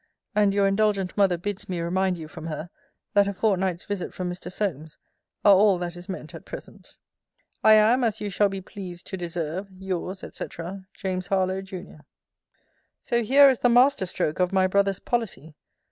And your indulgent mother bids me remind you from her, that a fortnight's visit from Mr. Solmes, are all that is meant at present. I am, as you shall be pleased to deserve, Yours, &c. JAMES HARLOWE, JUN. So here is the master stroke of my brother's policy!